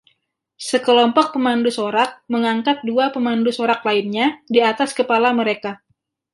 Sekelompok pemandu sorak mengangkat dua pemandu sorak lainnya di atas kepala mereka